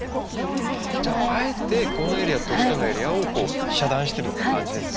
じゃああえてこのエリアと下のエリアを遮断してるような感じですね。